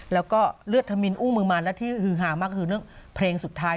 แล้วก็เลือดธมินอู้มือมันและที่ฮือฮามากคือเรื่องเพลงสุดท้าย